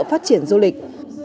phát triển du lịch